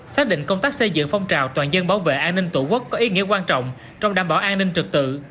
xác định công tác xây dựng phong trào toàn dân bảo vệ an ninh tổ quốc có ý nghĩa quan trọng trong đảm bảo an ninh trực tự